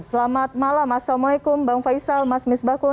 selamat malam assalamualaikum bang faisal mas misbah kun